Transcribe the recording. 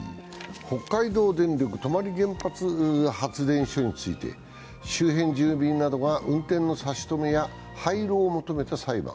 北海道電力・泊原子力発電所について周辺住民などが運転の差し止めや廃炉を求めた裁判。